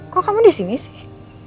kok kamu disini sih